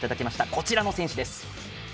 こちらの選手です。